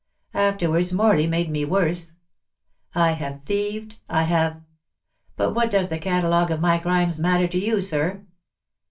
Afterwards Morley made me worse. I have thieved, I have but what does the catalogue of my crimes matter to you, sir?